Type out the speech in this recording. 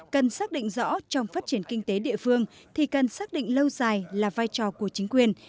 cần xác định rõ trong phát triển kinh tế địa phương thì cần xác định lâu dài là vai trò của chính quyền